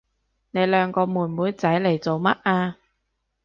你兩個妹妹仔嚟做乜啊？